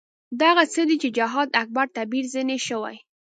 دا هغه څه دي چې جهاد اکبر تعبیر ځنې شوی.